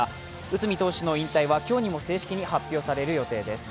内海投手の引退は、今日にも正式に発表される予定です。